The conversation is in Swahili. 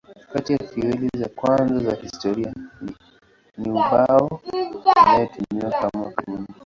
Kati ya fueli za kwanza za historia ni ubao inayotumiwa kama kuni.